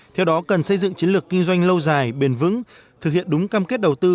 theo đó cần xây dựng chiến lược kinh doanh lâu dài bền vững thực hiện đúng cam kết đầu tư